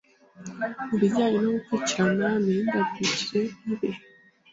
mu bijyanye no gukurikirana imihindagurikire y’ibihe,